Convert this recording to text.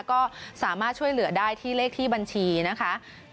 ก็สามารถช่วยเหลือได้ที่เลขที่บัญชีนะคะ